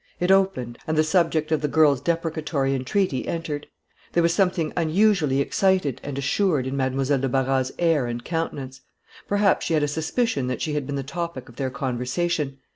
It opened, and the subject of the girl's deprecatory entreaty entered. There was something unusually excited and assured in Mademoiselle de Barras's air and countenance; perhaps she had a suspicion that she had been the topic of their conversation.